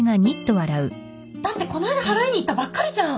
だってこないだ払いに行ったばっかりじゃん。